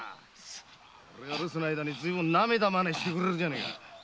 俺が留守の間になめた真似してくれるじゃねえか。